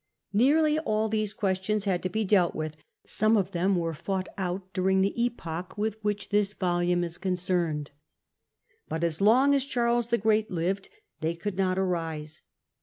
Nearly all these questions had to be dealt with; some of them were fought out during the epoch with which this volume is concerned. But as long as Charles the Great lived they could not arise.